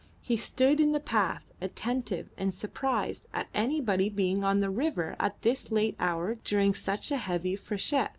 He stood still in the path, attentive and surprised at anybody being on the river at this late hour during such a heavy freshet.